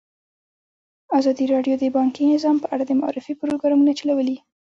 ازادي راډیو د بانکي نظام په اړه د معارفې پروګرامونه چلولي.